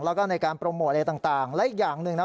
แล้วก็ในการโปรโมทอะไรต่างและอีกอย่างหนึ่งนะ